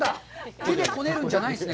手でこねるんじゃないんですね。